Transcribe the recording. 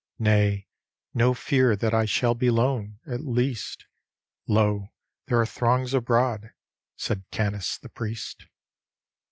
"Nay, no fear that 1 shall be lone, at least! Lo, there are throngs abroad," said Canice the priest.